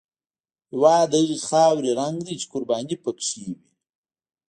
هېواد د هغې خاورې رنګ دی چې قرباني پکې وي.